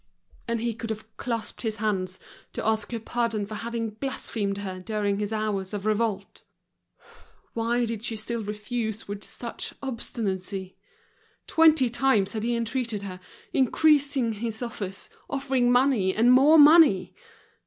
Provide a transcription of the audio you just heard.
And he could have clasped his hands to ask her pardon for having blasphemed her during his hours of revolt. Why did she still refuse with such obstinacy. Twenty times had he entreated her, increasing his offers, offering money and more money.